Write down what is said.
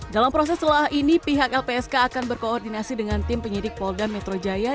dalam proses setelah ini pihak lpsk akan berkoordinasi dengan tim penyidik polda metro jaya